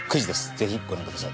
ぜひご覧ください。